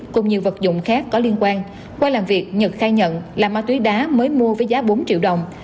cùng nhiều vật dụng khác có liên quan qua làm việc nhật khai nhận là ma túy đá mới mua với giá bốn triệu đồng